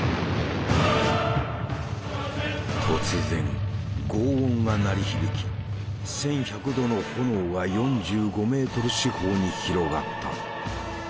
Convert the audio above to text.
突然ごう音が鳴り響き１，１００度の炎が４５メートル四方に広がった。